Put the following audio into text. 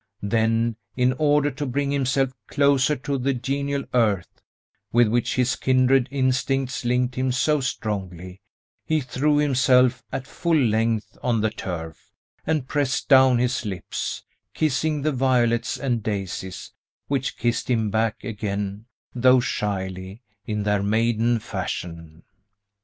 Then, in order to bring himself closer to the genial earth, with which his kindred instincts linked him so strongly, he threw himself at full length on the turf, and pressed down his lips, kissing the violets and daisies, which kissed him back again, though shyly, in their maiden fashion.